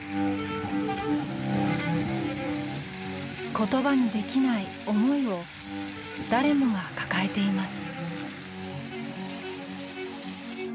言葉にできない思いを誰もが抱えています。